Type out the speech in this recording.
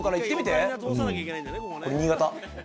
これ新潟。